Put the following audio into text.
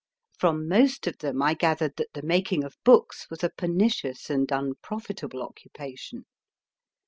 From most of them I gathered that the making of books was a pernicious and unprofitable occupation.